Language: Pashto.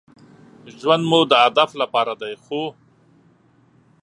ژوند مو د هدف لپاره دی ،خو